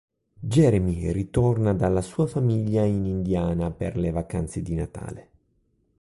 Jeremy ritorna dalla sua famiglia in Indiana per le vacanze di Natale.